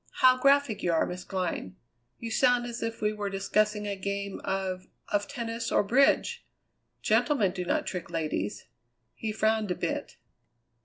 How graphic you are, Miss Glynn. You sound as if we were discussing a game of of tennis or bridge. Gentlemen do not trick ladies." He frowned a bit.